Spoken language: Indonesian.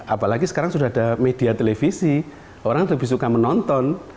apalagi sekarang sudah ada media televisi orang lebih suka menonton